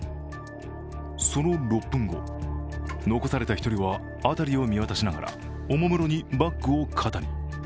その６分後、残された１人は辺りを見渡しながらおもむろにバッグを肩に。